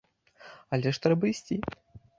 Але ж трэба ісці.